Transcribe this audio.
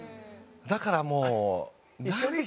だからもう。